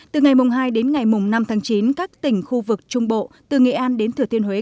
từ ngày hai đến ngày năm tháng chín các tỉnh khu vực trung bộ từ nghệ an đến thừa thiên huế